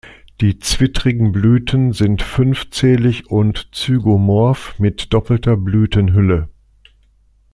Die zwittrigen Blüten sind fünfzählig und zygomorph mit doppelter Blütenhülle.